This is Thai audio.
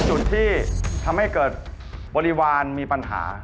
จุดที่ทำให้เกิดบริวารมีปัญหา